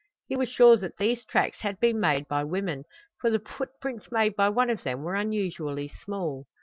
He was sure that these tracks had been made by women, for the footprints made by one of them were unusually small.